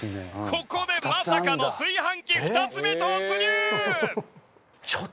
ここでまさかの炊飯器２つ目突入！